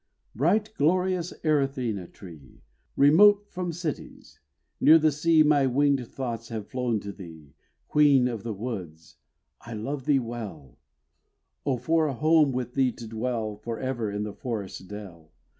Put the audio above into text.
Bright, glorious Erythrina tree! Remote from cities near the sea My winged thoughts have flown to thee. Queen of the woods! I love thee well, Oh! for a home with thee to dwell For ever in the forest dell.